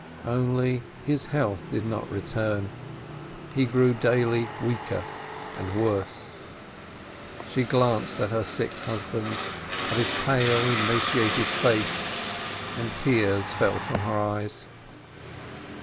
Only his health did not return, he grew daily weaker and worse. She glanced at her sick husband, at his pale, emaciated face, and tears fell from her eyes.